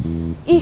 dua jam lebih